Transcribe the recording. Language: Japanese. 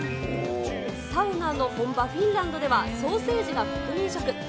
サウナの本場、フィンランドでは、ソーセージが国民食。